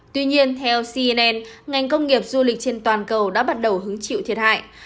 tuy nhiên theo cnn ngành công nghiệp du lịch trên toàn cầu đã bắt đầu hứng chịu thiệt hại